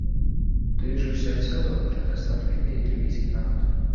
Движущая сила протестов в Ливии — ливийский народ.